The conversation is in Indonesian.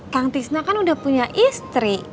tang tisna kan udah punya istri